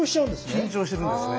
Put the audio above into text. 緊張してるんですね。